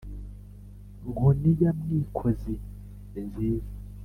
nkoni ya mwikozi ni nziza,